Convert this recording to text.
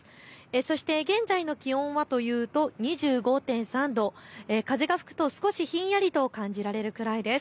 そして現在の気温は２５．３度、風が吹くと少しひんやりと感じられるくらいです。